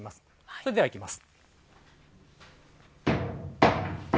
それでは行きます。